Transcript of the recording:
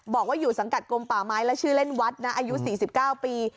บอกว่าอยู่สังกัดกลมป่าไม้และชื่อเล่นวัดนะอายุ๔๙ปี